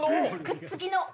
くっつきの「を」。